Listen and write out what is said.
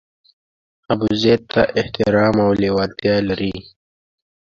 ابوزید ته احترام او لېوالتیا لري.